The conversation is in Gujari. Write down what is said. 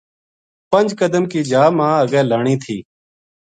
پنج قدم کی جا ما اگے لانی تھی۔